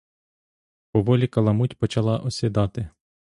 Поволі каламуть почала осідати.